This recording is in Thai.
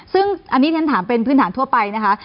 ซึ่งอันนี้ที่ฉันถามเป็นพื้นฐานทั่วไปนะคะ